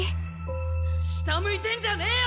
下向いてんじゃねえよ！